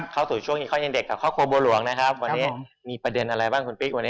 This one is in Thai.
เข้าสู่ช่วงอีคอนยังเด็กกับครอบครัวบัวหลวงนะครับวันนี้มีประเด็นอะไรบ้างคุณปิ๊กวันนี้